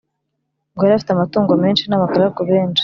Ngo yari afite amatungo menshi n’abagaragu benshi.